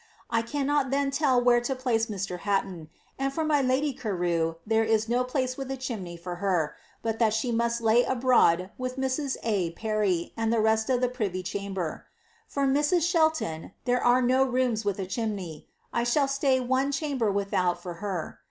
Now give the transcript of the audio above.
I cannot then tell where to plnce Mr. Haiton : and t my lady Carewe, there is no place with a chimney for her. but that she mm lay Bbroa<l by Mri. A. Parry and the rest of the privy chamber. For Mr?, She ton, there are no rooms with a cliimney; I shall stay one rhnmber wiihoiit k her.